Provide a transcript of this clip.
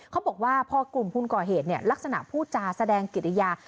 เขาบอกว่าพอกลุ่มผู้ก่อเหตุลักษณะพูดจาแสดงกิริยา